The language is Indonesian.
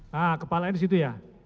nah kepalanya disitu ya